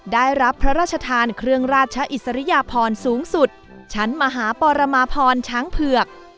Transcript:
ได้รับพระราชทานเครื่องราชอิสริยพรสูงสุดชั้นมหาปรมาพรช้างเผือก